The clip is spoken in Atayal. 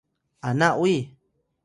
ana uyi